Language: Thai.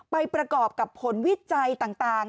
ประกอบกับผลวิจัยต่าง